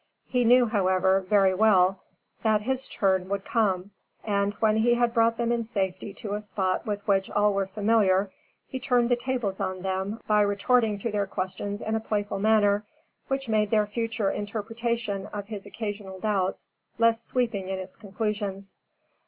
He knew, however, very well, that his turn would come; and, when he had brought them in safety to a spot with which all were familiar, he turned the tables on them by retorting to their questions in a playful manner, which made their future interpretation of his occasional doubts, less sweeping in its conclusions.